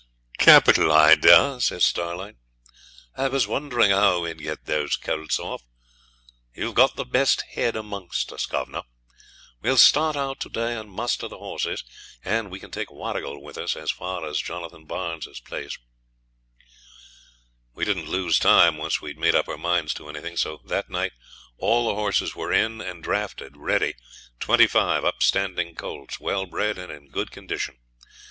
'Capital idea,' says Starlight; 'I was wondering how we'd get those colts off. You've the best head amongst us, governor. We'll start out to day and muster the horses, and we can take Warrigal with us as far as Jonathan Barnes's place.' We didn't lose time once we'd made up our minds to anything. So that night all the horses were in and drafted ready twenty five upstanding colts, well bred, and in good condition.